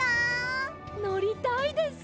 のりたいです！